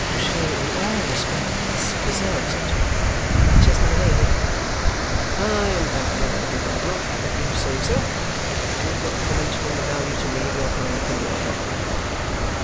"She in all respects deserves it," says my Lady. "I am happy, Lady Dedlock, that you say so, and I need not comment on the value to me of your kind opinion of her."